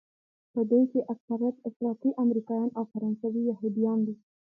په دوی کې اکثریت افراطي امریکایان او فرانسوي یهودیان دي.